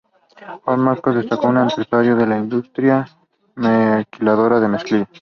Juan Marcos destacó como empresario de la industria maquiladora de mezclilla.